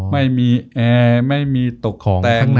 ไม่มีแอร์ไม่มีตกของแตง